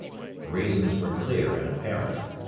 The reasons were clear and apparent.